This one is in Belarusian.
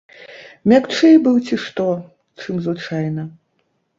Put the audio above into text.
Мякчэй быў ці што, чым звычайна.